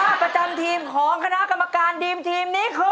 ประจำทีมของคณะกรรมการทีมนี้คือ